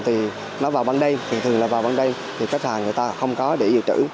thì nó vào ban đêm thì thường là vào ban đêm thì khách hàng người ta không có để dự trữ